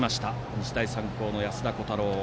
日大三高の安田虎汰郎。